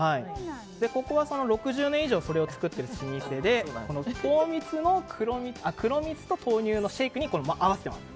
ここは６０年以上それを作っている老舗で黒蜜と豆乳のシェイクに合わせてます。